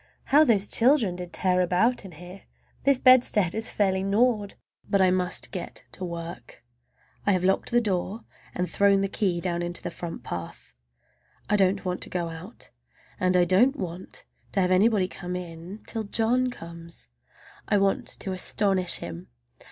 How those children did tear about here! This bedstead is fairly gnawed! But I must get to work. I have locked the door and thrown the key down into the front path. I don't want to go out, and I don't want to have anybody come in, till John comes. I want to astonish him.